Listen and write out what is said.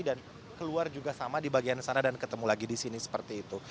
dan keluar juga sama di bagian sana dan ketemu lagi di sini seperti itu